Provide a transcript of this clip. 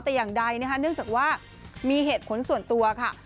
แต่อย่างใดนะคะเนื่องจากว่ามีเหตุผลส่วนตัวค่ะ